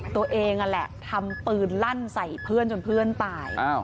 ตัวเองนั่นแหละทำปืนลั่นใส่เพื่อนจนเพื่อนตาย